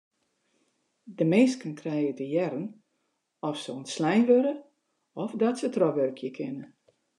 De minsken krije te hearren oft se ûntslein wurde of dat se trochwurkje kinne.